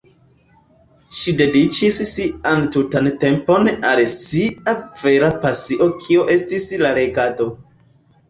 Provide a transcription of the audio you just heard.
Ŝi dediĉis sian tutan tempon al sia vera pasio kio estis la legado.